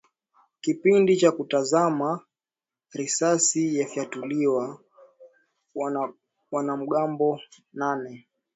kipindi cha kutazamana risasi yalifyatuliwa wanamgambo nane